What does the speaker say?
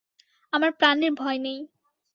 আমার প্রাণের ভয় নেই।